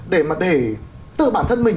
để mà để tự bản thân mình